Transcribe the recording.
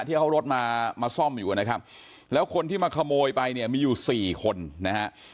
ที่เขารถมามาซ่อมอยู่นะครับแล้วคนที่มาขโมยไปเนี่ยมีอยู่สี่คนนะฮะ